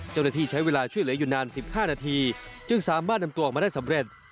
เจ้าหน้าที่ใช้เวลาช่วยเหลืออยู่นาน๑๕นาทีจึงสามารถนำตัวออกมาได้สำเร็จ